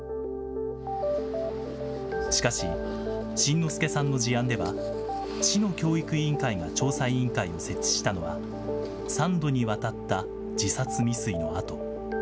しかし、辰乃輔さんの事案では、市の教育委員会が調査委員会を設置したのは、３度にわたった自殺未遂のあと。